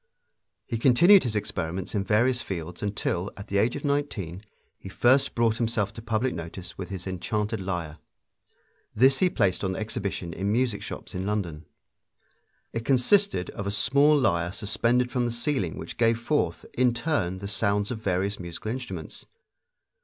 He continued his experiments in various fields until, at the age of nineteen, he first brought himself to public notice with his enchanted lyre. This he placed on exhibition in music shops in London. It consisted of a small lyre suspended from the ceiling which gave forth, in turn, the sounds of various musical instruments.